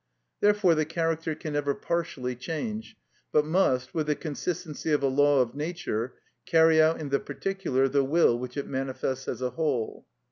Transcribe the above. Therefore the character can never partially change, but must, with the consistency of a law of Nature, carry out in the particular the will which it manifests as a whole.